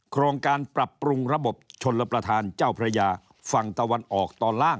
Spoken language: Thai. โครงการปรับปรุงระบบชนรับประทานเจ้าพระยาฝั่งตะวันออกตอนล่าง